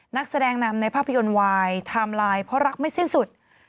นักแสดงนำในภาพยนตร์วายไทม์ไลน์เพราะรักไม่สิ้นสุด